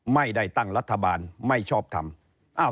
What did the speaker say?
ไม่ได้ตั้งรัฐบาลไม่ชอบทำ